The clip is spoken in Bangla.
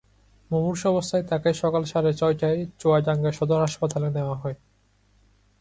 মুমূর্ষু অবস্থায় তাঁকে সকাল সাড়ে ছয়টায় চুয়াডাঙ্গা সদর হাসপাতালে নেওয়া হয়।